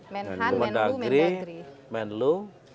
menhan menlu menagri menlu